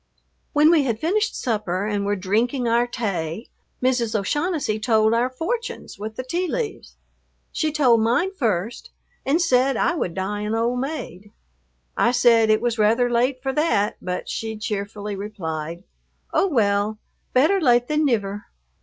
When we had finished supper and were drinking our "tay," Mrs. O'Shaughnessy told our fortunes with the tea leaves. She told mine first and said I would die an old maid. I said it was rather late for that, but she cheerfully replied, "Oh, well, better late than niver."